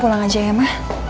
pulang aja ya ma